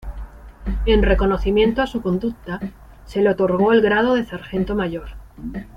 En reconocimiento a su conducta, se le otorgó el grado de Sargento Mayor.